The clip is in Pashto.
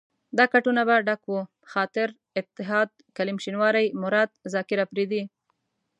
دا کټونه به ډک وو، خاطر، اتحاد، کلیم شینواری، مراد، زاکر اپرېدی.